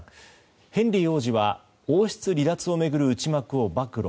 ヘンリー王子は王室離脱を巡る内幕を暴露。